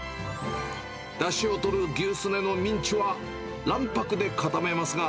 だしをとる牛すねのミンチは、卵白で固めますが。